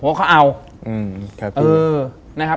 ผมว่าเขาเอา